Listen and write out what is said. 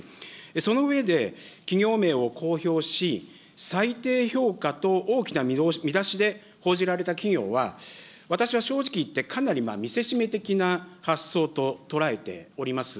その上で、企業名を公表し、最低評価と大きな見出しで報じられた企業は、私は正直言って、かなり見せしめ的な発想と捉えております。